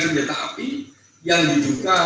senjata api yang juga